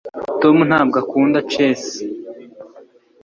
tom ntabwo akunda chess